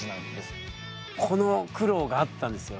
この苦労があったんですよ